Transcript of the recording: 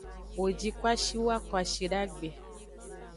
Wo ji kwashiwa kwashidagbe.